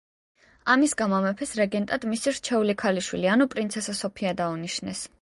ამის გამო მეფეს რეგენტად მისი „რჩეული“ ქალიშვილი, ანუ პრინცესა სოფია დაუნიშნეს.